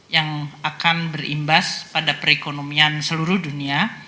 yang akan berimbas pada perekonomian seluruh dunia